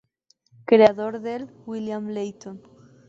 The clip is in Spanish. Creador del "William Layton.